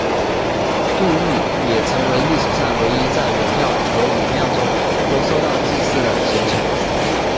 杜预也成为历史上唯一在文庙和武庙中都受到祭祀的贤臣。